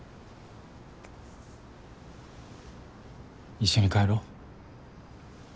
一緒に帰ろう。